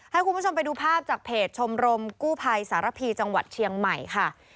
ให้คุณผู้ชมไปดูภาพจากเพจชมรมกู้ภัยสารพีจังหวัดเชียงใหม่ค่ะ